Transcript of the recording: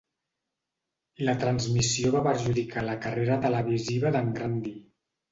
La transmissió va perjudicar la carrera televisiva de"n Grundy.